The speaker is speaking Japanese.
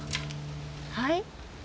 はい？